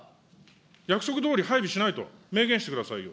約束どおり、配備しないと明言してくださいよ。